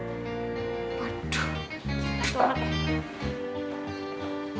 waduh kita tolak ya